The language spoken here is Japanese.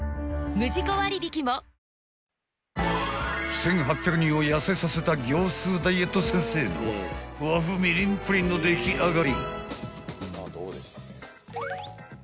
［１，８００人を痩せさせた業スーダイエット先生の和風みりんプリンの出来上がり］